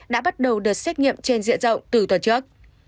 đã bắt đầu đợt xét nghiệm trên diện rộng từ tuần trước